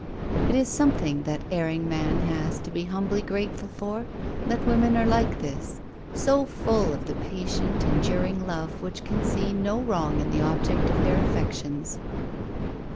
It is something that erring man has to be humbly grateful for, that women are like this; so full of the patient, enduring love which can see no wrong in the object of their affections.